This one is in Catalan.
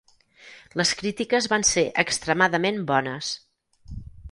Les crítiques van ser extremadament bones.